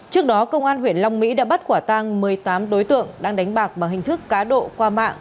trước đó công an huyện long mỹ đã bắt quả tang một mươi tám đối tượng đang đánh bạc bằng hình thức cá độ qua mạng